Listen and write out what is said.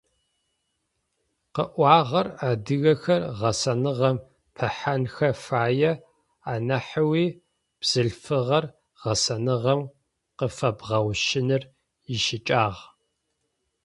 Къыӏуагъэр: адыгэхэр гъэсэныгъэм пыхьанхэ фае, анахьэуи, бзылъфыгъэр гъэсэныгъэм къыфэбгъэущыныр ищыкӏагъ.